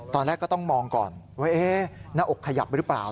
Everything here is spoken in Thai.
ตอนแรกก็ต้องมองก่อนว่าหน้าอกขยับหรือเปล่า